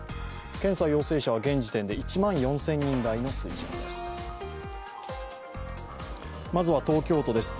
検査陽性者は現時点で１万４０００人台の水準です。